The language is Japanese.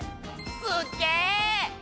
すっげぇ！